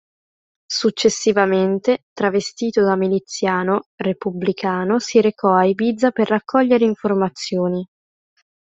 Successivamente, travestito da miliziano repubblicano si recò a Ibiza per raccogliere informazioni.